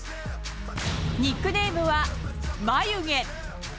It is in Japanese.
ニックネームは、眉毛。